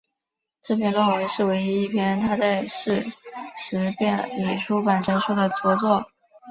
这篇论文是唯一一篇他在世时便已出版成书的着作。